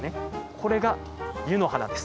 これが湯の花です。